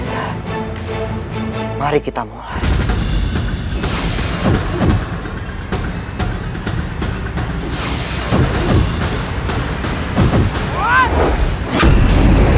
lebih mudah untukku mengatur halamurni